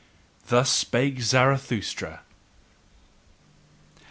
Thus spake Zarathustra.